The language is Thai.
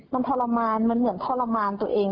มันทรมานมันเหมือนทรมานตัวเอง